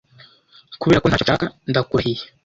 kuberako ntacyo nshaka ndakurahiye